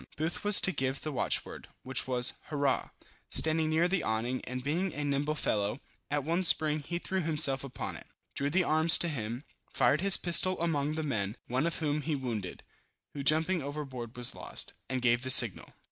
Booth was to give the watchword, which was hurrah. Standing near the awning, and being a nimble fellow, at one spring he threw himself upon it, drew the arms to him, fired his pistol among the men, one of whom he wounded, (who jumping overboard was lost) and gave the signal.